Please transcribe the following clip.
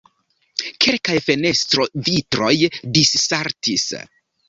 Kelkaj fenestrovitroj dissaltis.